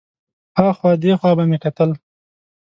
ها خوا دې خوا به مې کتل.